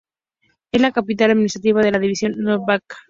Es la capital administrativa de la División North Bank.